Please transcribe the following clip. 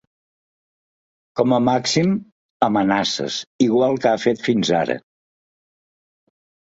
Com a màxim, amenaces, igual que ha fet fins ara.